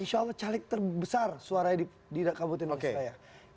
insya allah caleg terbesar suaranya di kabupaten waspaya